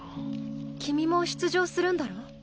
君も出場するんだろう？